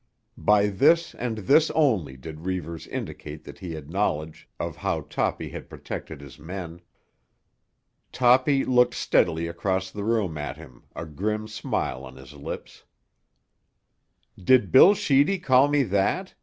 By this and this only did Reivers indicate that he had knowledge of how Toppy had protected his men. Toppy looked steadily across the room at him, a grim smile on his lips. "Did Bill Sheedy call me that?"